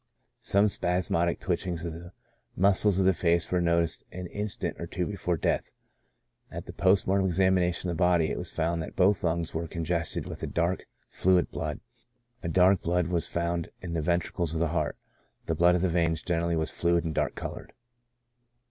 Some spasmodic twitchings of the mus cles of the face were noticed an instant or two before death. At the post mortem examination of the body, it was found that both lungs were congested with dark fluid blood ; dark blood was found in the ventricles of the heart ; the blood of the veins generally was fluid and dark colored.